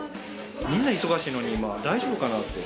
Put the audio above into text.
みんな忙しいのに、大丈夫かなって。